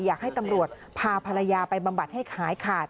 อยากให้ตำรวจพาภรรยาไปบำบัดให้ขายขาด